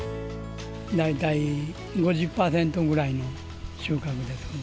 大体５０％ぐらいの収穫です。